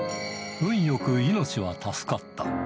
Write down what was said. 運よく命は助かった。